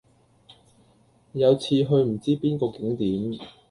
有次去唔知邊個景點